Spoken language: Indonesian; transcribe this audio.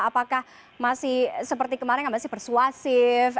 apakah masih seperti kemarin yang masih persuasif